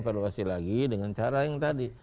evaluasi lagi dengan cara yang tadi